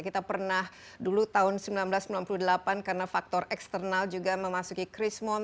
kita pernah dulu tahun seribu sembilan ratus sembilan puluh delapan karena faktor eksternal juga memasuki krismon